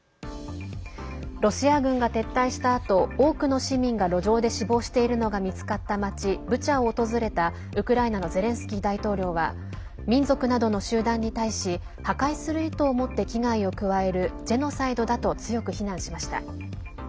ロシア軍が撤退したあと多くの市民が路上で死亡しているのが見つかった町ブチャを訪れたウクライナのゼレンスキー大統領は民族などの集団に対し破壊する意図を持って危害を加えるジェノサイドだと強く非難しました。